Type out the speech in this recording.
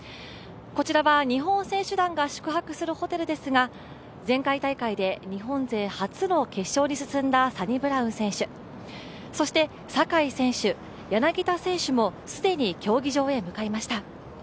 こちらは日本選手団が宿泊するホテルですが前回大会で日本勢初の決勝に進んだサニブラウン選手、そして坂井選手柳田選手も既に競技場へ向かいました。